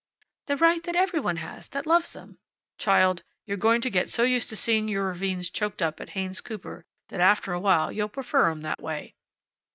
"The right that every one has that loves them." "Child, you're going to get so used to seeing your ravines choked up at Haynes Cooper that after a while you'll prefer 'em that way."